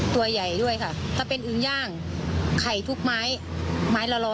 ตัวใหญ่ด้วยค่ะถ้าเป็นอึงย่างไข่ทุกไม้ไม้ละร้อย